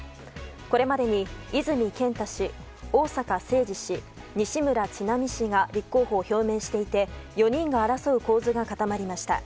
これまでに泉健太氏、逢坂誠二氏西村智奈美氏が立候補を表明していて４人が争う構図が固まりました。